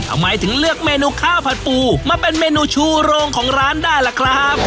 ทำไมถึงเลือกเมนูข้าวผัดปูมาเป็นเมนูชูโรงของร้านได้ล่ะครับ